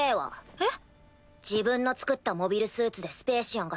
えっ？